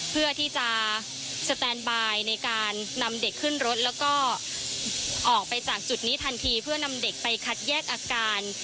เพื่อที่จะสแตนบายในการนำเด็กขึ้นรถแล้วก็ออกไปจากจุดนี้ทันทีเพื่อนำเด็กไปคัดแยกอาการ